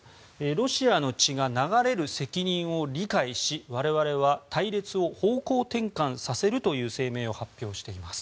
ロシアの血が流れる責任を理解し我々は隊列を方向転換させるという声明を発表しています。